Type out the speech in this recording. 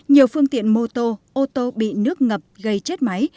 nhiều phương tiện mô tô ô tô bị nước ngập gây chết máy